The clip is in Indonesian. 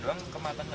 tempe goreng ya tanya